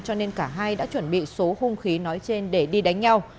cho nên cả hai đã chuẩn bị số hung khí nói trên để đi đánh nhau